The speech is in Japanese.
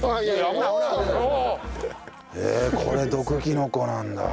ええこれ毒キノコなんだ。